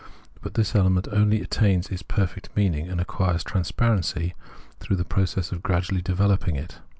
But this element only attains its perfect meaning and acquires transparency through the process of gradually developing it.